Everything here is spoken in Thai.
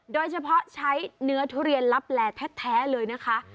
โดยเฉพาะใช้เนื้อทุเรียนลับแลแท้เลยนะคะ